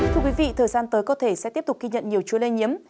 thưa quý vị thời gian tới có thể sẽ tiếp tục ghi nhận nhiều chúa lây nhiễm